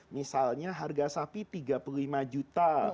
misalnya harga sapi tiga puluh lima juta